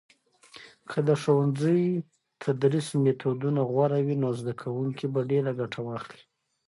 که د ښوونځي تدریس میتودونه غوره وي، نو زده کوونکي به ډیر ګټه واخلي.